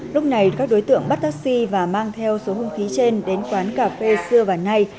lúc này các đối tượng bắt taxi và mang theo số hung khí trên đến quán cà phê xưa và nay